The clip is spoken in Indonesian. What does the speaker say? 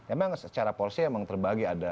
emang secara porsi emang terbagi ada